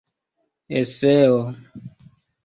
eseo